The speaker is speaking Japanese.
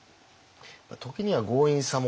「ときには強引さも」